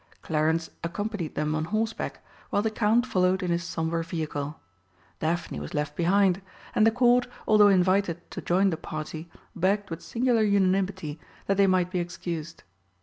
Clarence accompanied them on horseback, while the Count followed in his sombre vehicle. Daphne was left behind, and the Court, although invited to join the party, begged with singular unanimity that they might be excused.